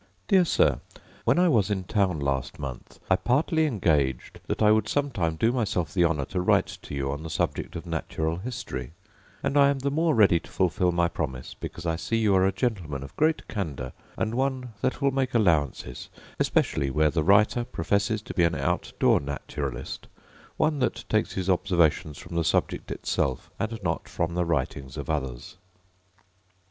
Dear Sir, When I was in town last month I partly engaged that I would sometime do myself the honour to write to you on the subject of natural history: and I am the more ready to fulfil my promise, because I see you are a gentleman of great candour, and one that will make allowances; especially where the writer professes to be an out door naturalist, one that takes his observations from the subject itself, and not from the writings of others.